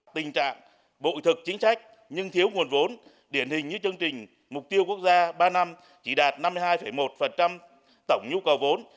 tình trạng bội thực chính trách nhưng thiếu nguồn vốn điển hình như chương trình mục tiêu quốc gia ba năm chỉ đạt năm mươi hai một tổng nhu cầu vốn